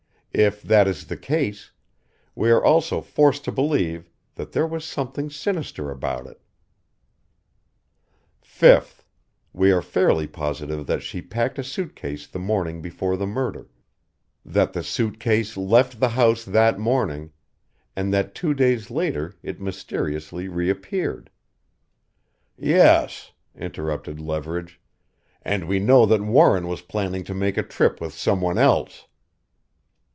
If that is the case we are also forced to believe that there was something sinister about it. "Fifth we are fairly positive that she packed a suit case the morning before the murder, that the suit case left the house that morning and that two days later it mysteriously reappeared " "Yes," interrupted Leverage, "and we know that Warren was planning to make a trip with someone else!"